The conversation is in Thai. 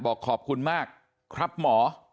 บอกขอบคุณมากครับหมอ